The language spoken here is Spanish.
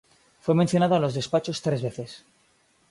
Fue mencionado a los despachos tres veces.